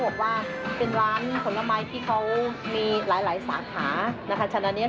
บริษัทใหญ่เลยโรงงานเลย